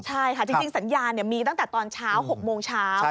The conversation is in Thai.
ใช่ค่ะจริงสัญญามีตั้งแต่ตอนเช้า๖โมงเช้า